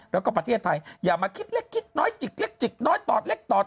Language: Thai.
แล้วก็ประเทศไทยอย่ามาคิดเล็กคิดน้อยจิกเล็กจิกน้อยปอดเล็กตอด